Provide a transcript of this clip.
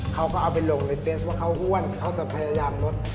เขาก็เอาไปลงในเตสว่าเขาห้วนเขาจะพยายามลด